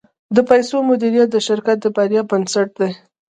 د پیسو مدیریت د شرکت د بریا بنسټ دی.